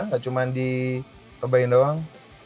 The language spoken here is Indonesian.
gak cuman di probain doang